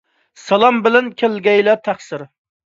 سالام بىلەن كەلگەيلا تەقسىر.